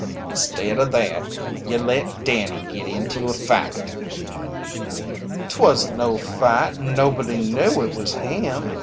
"Instead o' that, ye let Danny git into a fight." "'Twasn't no fight and nobody knew it was him.